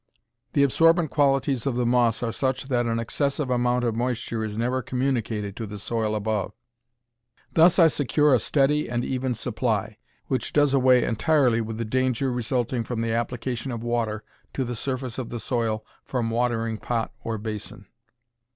The absorbent qualities of the moss are such that an excessive amount of moisture is never communicated to the soil above. Thus I secure a steady and even supply, which does away entirely with the danger resulting from the application of water to the surface of the soil from watering pot or basin.